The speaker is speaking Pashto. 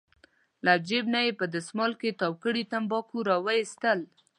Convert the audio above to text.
له جېب نه یې په دستمال کې تاو کړي تنباکو راوویستل.